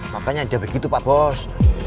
makanya dia begitu pak bos